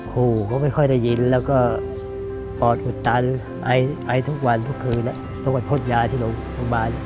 หูก็ไม่ค่อยได้ยินแล้วก็ปอดอุดตันไอทุกวันทุกคืนต้องไปพ่นยาที่โรงพยาบาล